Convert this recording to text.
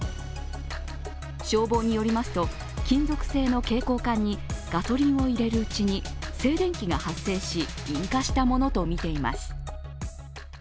消防によりますと、金属製の携行缶にガソリンを入れるうちに静電気が発生し、引火したものとみています。